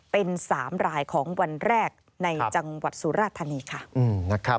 เป็น๓รายของวันแรกในจังหวัดสุราธานีค่ะ